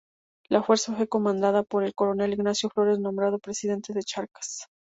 La fuerza fue comandada por el coronel Ignacio Flores, nombrado presidente de Charcas.